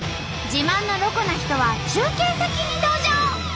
自慢のロコな人は中継先に登場！